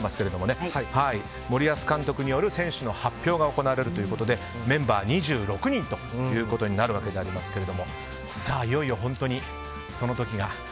森保監督による選手の発表が行われるということでメンバー２６人ということになるわけでありますがいよいよ、その時が。